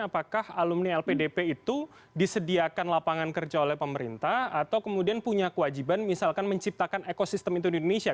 apakah alumni lpdp itu disediakan lapangan kerja oleh pemerintah atau kemudian punya kewajiban misalkan menciptakan ekosistem itu di indonesia